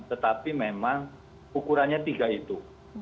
tetapi memang ukurannya tiga itu